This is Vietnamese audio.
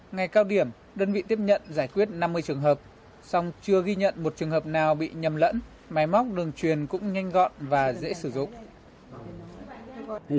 ngày cao điểm đơn vị tiếp nhận giải quyết năm mươi trường hợp song chưa ghi nhận một trường hợp nào bị nhầm lẫn máy móc đường truyền cũng nhanh gọn và dễ sử dụng